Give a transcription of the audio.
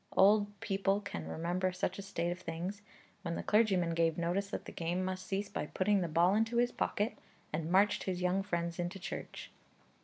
Old people can remember such a state of things, when the clergyman gave notice that the game must cease by putting the ball into his pocket and marched his young friends into church.'